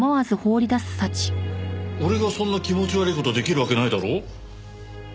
俺がそんな気持ち悪い事できるわけないだろう？